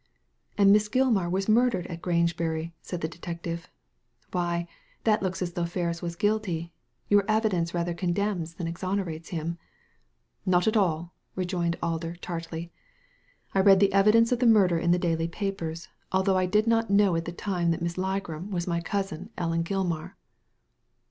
"And Miss Gilmar was murdered at Grangebury/' said the detective. "Why, that looks as though Ferris was guilty. Your evidence rather condemns than exonerates him." "Not at all," rejoined Alder, tartly. " I read the evidence of the murder in the daily papers, although I did not know at the time that Miss Ligram was my cousin, Ellen Gilmar."